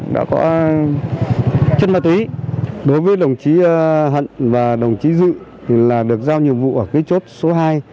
đối với đồng chí hận và đồng chí dự được giao nhiệm vụ ở cái chốt số hai